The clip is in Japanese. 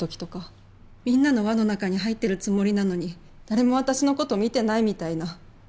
みんなの輪の中に入ってるつもりなのに誰も私の事を見てないみたいな。